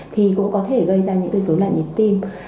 thì cũng có thể gây ra những cái dối loạn nhịp tim